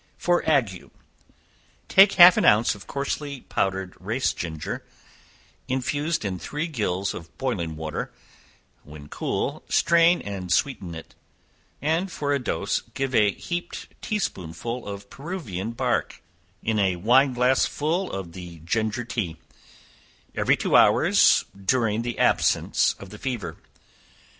For Ague. Take half an ounce of coarsely powdered race ginger, infused in three gills of boiling water; when cool, strain and sweeten it; and for a dose give a heaped tea spoonful of Peruvian bark, in a wine glassful of the ginger tea, every two hours during the absence of the fever.